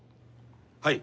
はい。